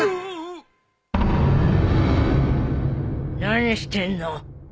何してんの？